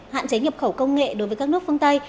hạn chế nhập khẩu công nghệ đối với các nước phương tây